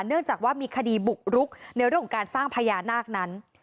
เนื่องจากว่ามีคดีบุกรุกในเรื่องของการสร้างพญานาคนั้น